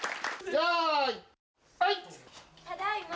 ただいま。